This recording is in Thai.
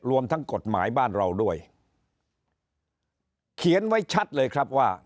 รวมทั้งกฎหมายบ้านเราด้วยเขียนไว้ชัดเลยครับว่า